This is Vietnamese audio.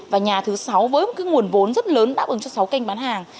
và nhà thứ sáu với một nguồn vốn rất lớn đáp ứng cho sáu kênh bán hàng